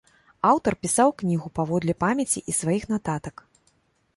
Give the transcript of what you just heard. Аўтар пісаў кнігу паводле памяці і сваіх нататак.